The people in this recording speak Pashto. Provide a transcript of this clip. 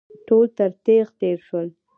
ټول تر تېغ تېر شول.